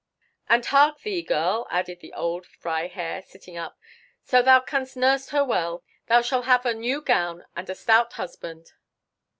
"And hark thee, girl," added the old Freiherr, sitting up. "So thou canst nurse her well, thou shalt have a new gown and a stout husband."